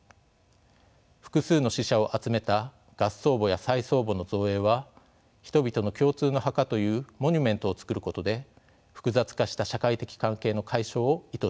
複数の死者を集めた合葬墓や再葬墓の造営は人々の共通の墓というモニュメントを作ることで複雑化した社会的関係の解消を意図したものです。